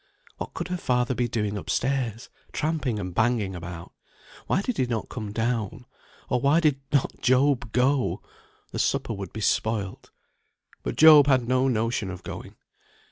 What could her father be doing up stairs? Tramping and banging about. Why did he not come down? Or why did not Job go? The supper would be spoilt. But Job had no notion of going.